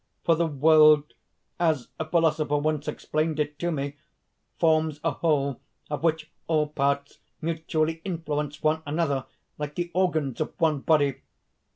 For the world as a philosopher once explained it to me, forms a whole, of which all parts mutually influence one another, like the organs of one body.